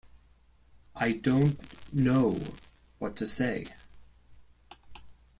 I don't know what to say.